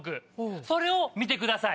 それを見てください